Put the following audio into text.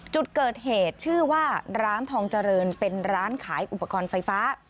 จุดเกิดเหตุชื่อว่าร้านทองเจริญเป็นร้านขายอุปกรณ์ไฟฟ้า